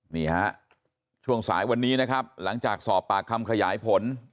นี่ฮะช่วงสายวันนี้นะครับหลังจากสอบปากคำขยายผล